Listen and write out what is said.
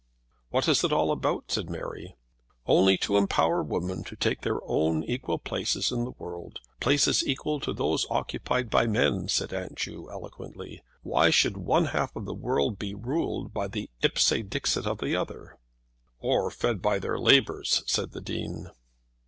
"What is it all about?" said Mary. "Only to empower women to take their own equal places in the world, places equal to those occupied by men," said Aunt Ju eloquently. "Why should one half of the world be ruled by the ipse dixit of the other?" "Or fed by their labours?" said the Dean.